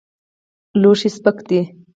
لوښی سپک دی.